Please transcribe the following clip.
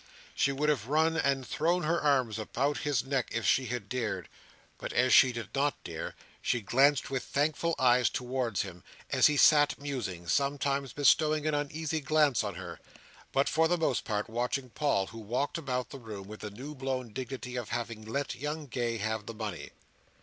She would have run and thrown her arms about his neck if she had dared; but as she did not dare, she glanced with thankful eyes towards him, as he sat musing; sometimes bestowing an uneasy glance on her, but, for the most part, watching Paul, who walked about the room with the new blown dignity of having let young Gay have the money.